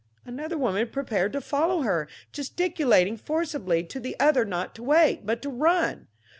Another woman prepared to follow her, gesticulating forcibly to the other not to wait, but to run.